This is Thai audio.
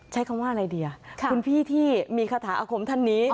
ใช้คำว่าอะไรดีคุณพี่ที่มีคาถาอาคมท่านนี้